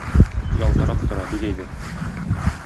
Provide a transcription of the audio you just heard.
Ялтырап тора, бик әйбәт.